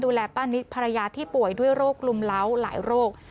ป้านิตภรรยาที่ป่วยด้วยโรคลุมเล้าหลายโรค